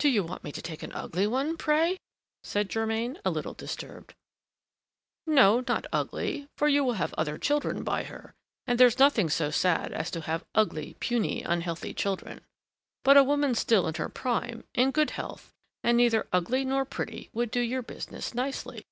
"Do you want me to take an ugly one, pray?" said Germain, a little disturbed. "No, not ugly, for you will have other children by her, and there's nothing so sad as to have ugly, puny, unhealthy children. But a woman still in her prime, in good health and neither ugly nor pretty, would do your business nicely."